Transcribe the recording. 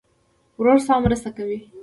ورور ستا مرسته کوي.